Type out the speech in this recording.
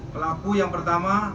pelaku yang pertama